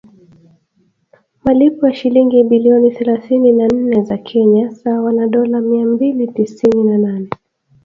malipo ya shilingi bilioni thelathini na nne za Kenya sawa na dola mia mbili tisini na nane